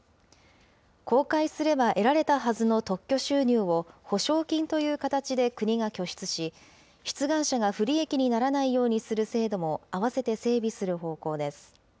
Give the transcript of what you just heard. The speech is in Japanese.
公開すれば得られたはずの特許収入を、補償金という形で国が拠出し、出願者が不利益にならないようにする制度も併せて整備する方向です。